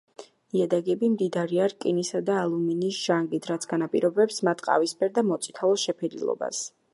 ნიადაგები მდიდარია რკინისა და ალუმინის ჟანგით, რაც განაპირობებს მათ ყავისფერ და მოწითალო შეფერილობას.